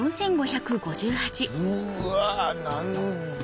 うわ何だ？